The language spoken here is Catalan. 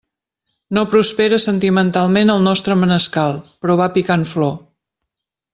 No prospera sentimentalment el nostre manescal, però va picant flor.